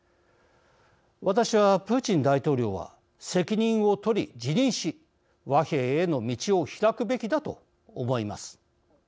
私は、プーチン大統領は責任を取り辞任し、和平への道を開くべきだと思います。